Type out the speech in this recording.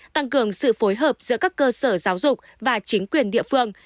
tăng cường sự phối hợp giữa các cơ sở giáo dục và chính quyền địa phương